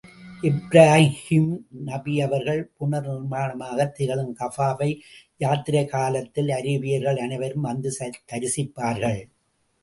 இப்ராஹீம் நபி அவர்கள் புனர் நிர்மாணமாகத் திகழும் கஃபாவை யாத்திரைக் காலத்தில் அரேபியர்கள் அனைவரும் வந்து தரிசிப்பார்கள்.